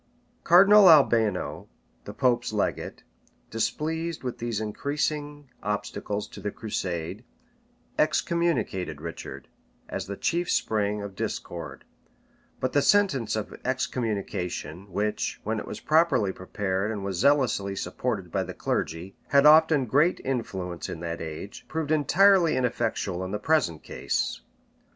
Cardinal Albano, the pope's legate, displeased with these increasing obstacles to the crusade, excommunicated Richard, as the chief spring of discord; but the sentence of excommunication, which, when it was properly prepared and was zealously supported by the clergy, had often great influence in that age, proved entirely ineffectual in the present case.